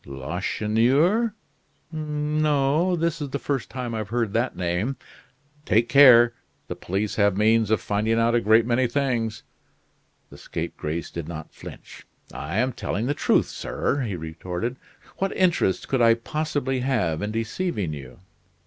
"Lacheneur? No, this is the first time I've heard that name." "Take care. The police have means of finding out a great many things." The scapegrace did not flinch. "I am telling the truth, sir," he retorted. "What interest could I possibly have in deceiving you?"